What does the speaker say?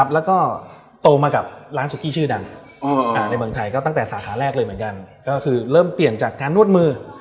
แล้วก็โตมากับร้านสุกี้ชื่อดังในเมืองไทยก็ตั้งแต่สาขาแรกเลยเหมือนกันก็คือเริ่มเปลี่ยนจากการนวดมือ